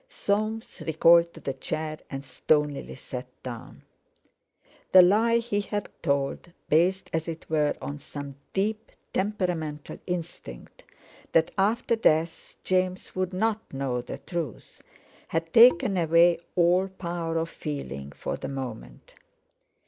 Soames recoiled to the chair and stonily sat down. The lie he had told, based, as it were, on some deep, temperamental instinct that after death James would not know the truth, had taken away all power of feeling for the moment.